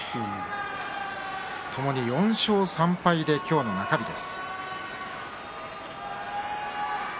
ともに４勝３敗今日の中日です。